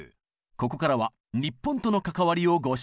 ここからは日本との関わりをご紹介。